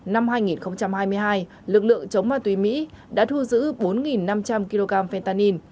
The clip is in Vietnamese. năm hai nghìn hai mươi hai lực lượng chống ma túy mỹ đã thu giữ bốn năm trăm linh kg phentain